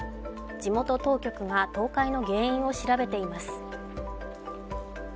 地元当局が倒壊の原因を調べています。